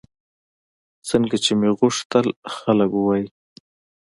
ځکه چې مې غوښتل خلک ووایي